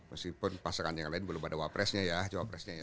meskipun pasangan yang lain belum ada wapresnya ya